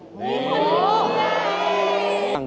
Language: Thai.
วันพุทธ